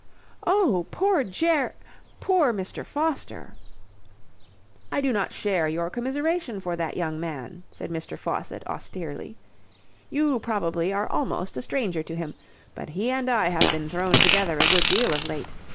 "Oh, poor Ger poor Mr. Foster!" "I do not share your commiseration for that young man," said Mr. Faucitt austerely. "You probably are almost a stranger to him, but he and I have been thrown together a good deal of late.